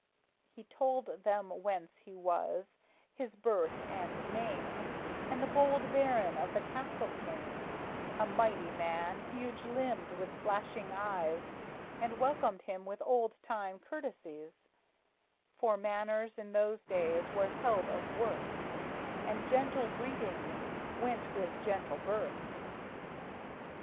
He told them whence he was, his birth and name; And the bold baron of the castle came, A mighty man, huge limbed, with flashing eyes, And welcomed him with old time courtesies; For manners, in those days, were held of worth, And gentle breeding went with gentle birth.